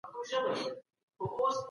ټول اقتصاد پوهان په يو نظر موافق نه دي.